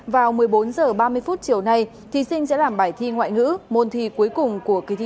vào một mươi bốn h ba mươi chiều nay thí sinh sẽ làm bài thi ngoại ngữ môn thi cuối cùng của kỳ thi